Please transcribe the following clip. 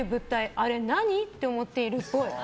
あれ何？って思っているっぽい。